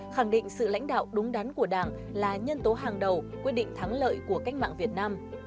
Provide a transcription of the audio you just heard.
khẳng định sự lãnh đạo đúng đắn của đảng là nhân tố hàng đầu quyết định thắng lợi của cách mạng việt nam